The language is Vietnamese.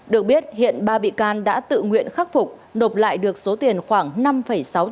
được biết hiện ba bị can đã tự nguyện khắc phục nộp lại được số tiền khoảng năm sáu tỷ đồng cho ngân sách nhà nước